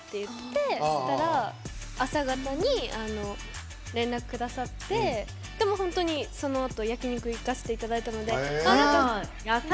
朝方に連絡くださってでも、本当に、そのあと焼き肉行かせていただいたので。